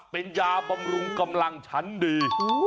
เป็นยาบำรุงกำลังชั้นดี